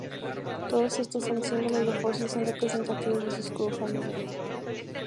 Todos estos son símbolos de fuerza y son representativos de su escudo familiar.